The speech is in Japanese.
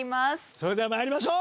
それでは参りましょう！